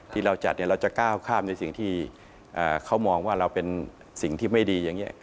ที่เราจัดเนี่ยเราจะก้าวข้ามในสิ่งที่เขามองว่าเราเป็นสิ่งที่ไม่ดีอย่างนี้